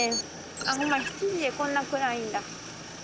あ今７時でこんな暗いんだ。